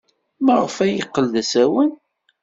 Maɣef ay yeqqel d asawen?